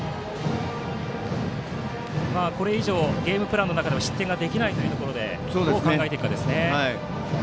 これ以上ゲームプランの中では失点ができないという状況でもう動いてきますね。